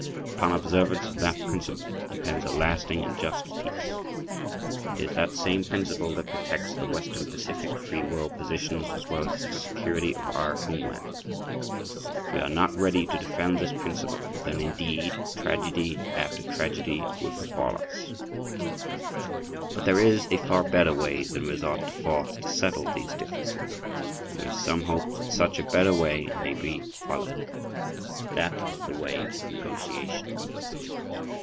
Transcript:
Upon observance of that principle depends a lasting and just peace. It is that same principle that protects the western Pacific free world positions as well as the security of our homeland. If we are not ready to defend this principle, then indeed tragedy after tragedy would befall us. But there is a far better way than resort to force to settle these differences, and there is some hope that such a better way may be followed. That is the way of negotiation.